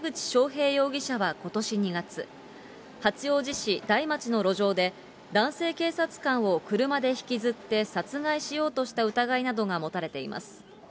へい容疑者はことし２月、八王子市台町の路上で、男性警察官を車で引きずって殺害しようとした疑いなどが持たれています。